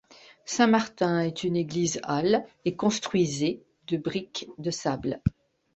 Saint-Martin est une église-halle et construisée de briques de sable.